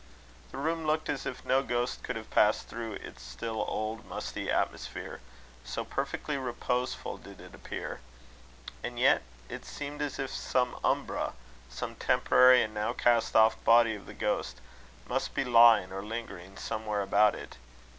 The room looked as if no ghost could have passed through its still old musty atmosphere, so perfectly reposeful did it appear; and yet it seemed as if some umbra, some temporary and now cast off body of the ghost, must be lying or lingering somewhere about it.